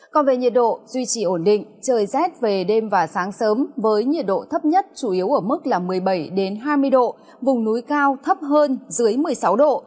còn về nhiệt độ duy trì ổn định trời rét về đêm và sáng sớm với nhiệt độ thấp nhất chủ yếu ở mức một mươi bảy hai mươi độ vùng núi cao thấp hơn dưới một mươi sáu độ